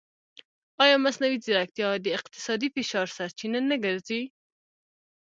ایا مصنوعي ځیرکتیا د اقتصادي فشار سرچینه نه ګرځي؟